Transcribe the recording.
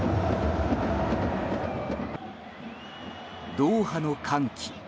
ドーハの歓喜。